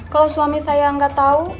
kalau suami saya nggak tahu